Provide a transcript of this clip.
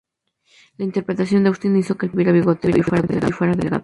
La interpretación de Austin hizo que el personaje tuviera bigote y fuera delgado.